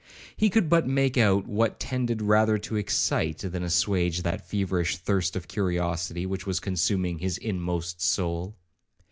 He could but just make out what tended rather to excite than assuage that feverish thirst of curiosity which was consuming his inmost soul.